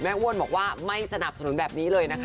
อ้วนบอกว่าไม่สนับสนุนแบบนี้เลยนะคะ